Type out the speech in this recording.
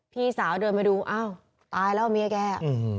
พี่สาวเดินมาดูอ้าวตายแล้วเมียแก